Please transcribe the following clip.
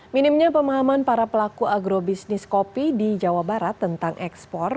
minimnya pemahaman para pelaku agrobisnis kopi di jawa barat tentang ekspor